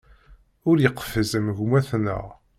Ur neqfiz am gma-tneɣ.